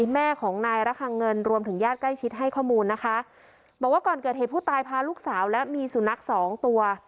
แม่ของนายระคังเงินรวมถึงญาติใกล้ชิดให้ข้อมูลนะคะบอกว่าก่อนเกิดเหตุผู้ตายพาลูกสาวและมีสุนัขสองตัว